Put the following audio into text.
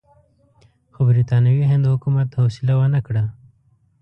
خو برټانوي هند حکومت حوصله ونه کړه.